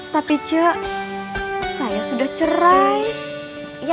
tapi cek saya sudah cerai